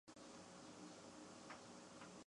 本科的鸟是晚成雏。